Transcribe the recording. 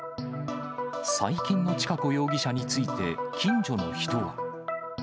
最近の千賀子容疑者について、近所の人は。